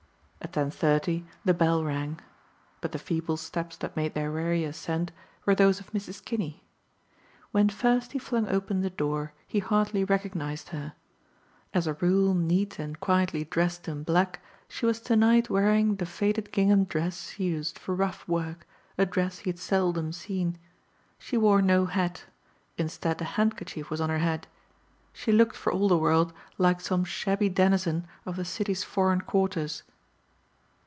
At ten thirty the bell rang. But the feeble steps that made their weary ascent were those of Mrs. Kinney. When first he flung open the door he hardly recognized her. As a rule neat and quietly dressed in black she was to night wearing the faded gingham dress she used for rough work, a dress he had seldom seen. She wore no hat; instead a handkerchief was on her head. She looked for all the world like some shabby denizen of the city's foreign quarters.